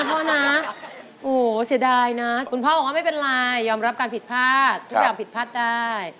พ่อนะโอ้โหเสียดายนะคุณพ่อบอกว่าไม่เป็นไรยอมรับการผิดพลาดทุกอย่างผิดพลาดได้